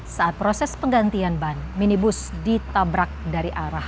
saat proses penggantian ban minibus ditabrak dari arah